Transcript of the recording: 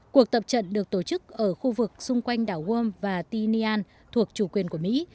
cuộc tập trận được tổ chức ở khu vực xung quanh đảo wom và tin thuộc chủ quyền của mỹ